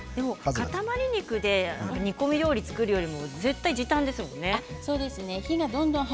塊肉で煮込み料理作るより絶対に時短ですよね。